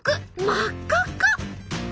真っ赤っか！